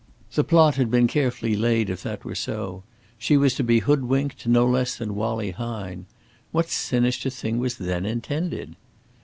The plot had been carefully laid if that were so; she was to be hoodwinked no less than Wallie Hine. What sinister thing was then intended?